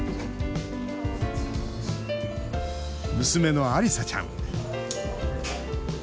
娘のアリサちゃん。